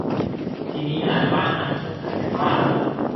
ทีนี้หลายบ้านอาจจะสงสัยกันว่า